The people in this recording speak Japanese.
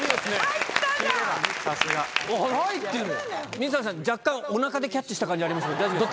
水谷さん若干おなかでキャッチした感じありますけど大丈夫ですか？